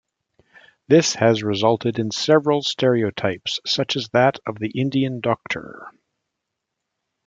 This has resulted in several stereotypes such as that of the "Indian Doctor".